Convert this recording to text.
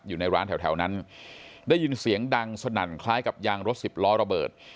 อยู่ในร้านแถวนั้นได้ยินเสียงดังสนั่นคล้ายกับยางรถสิบล้อระเบิด